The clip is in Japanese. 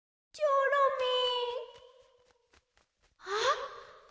あっ。